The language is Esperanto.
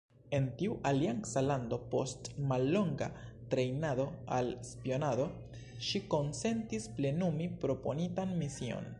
En tiu alianca lando, post mallonga trejnado al spionado, ŝi konsentis plenumi proponitan mision.